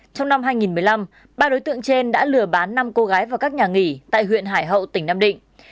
trong năm hai nghìn một mươi năm ba đối tượng trên đã lừa bán năm cô gái vào các nhà nghỉ tại huyện hải hậu tỉnh nam định